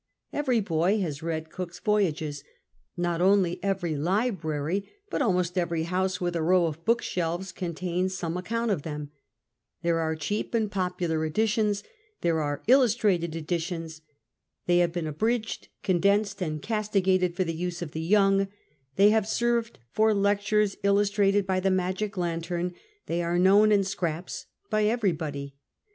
Every boy has' read Cook's Voyages ; not only every library, but almost every house with a row of bookshelves contains some account of them ; there are cheap and popular editions, there are illustrated editions; they have been abridged, condensed, and castigated for the use of the young ; they have served for lectures, illustrated by the magic lantern ; they are known, in scraps, by everybody.